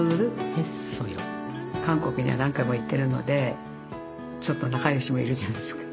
韓国には何回も行ってるのでちょっと仲良しもいるじゃないですか。